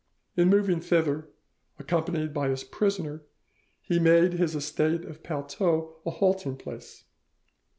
In moving thither, accompanied by his prisoner, he made his estate of Palteau a halting place.